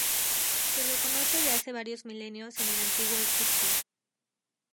Se lo conoce de hace varios milenios en el Antiguo Egipto.